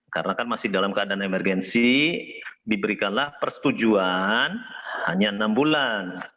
karena kan masih dalam keadaan emergensi diberikanlah persetujuan hanya enam bulan